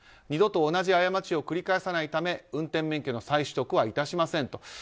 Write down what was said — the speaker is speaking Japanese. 二度と同じ過ちを繰り返さないため運転免許の再取得は致しませんと。